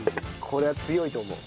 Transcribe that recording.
これは強いと思う。